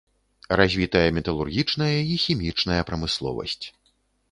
Развітая металургічная і хімічная прамысловасць.